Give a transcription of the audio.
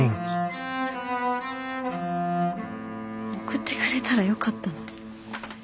送ってくれたらよかったのに。